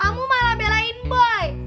kamu malah belain boy